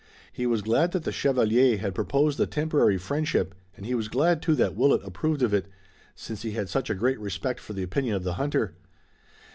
He was glad that the chevalier had proposed the temporary friendship and he was glad, too, that Willet approved of it, since he had such a great respect for the opinion of the hunter.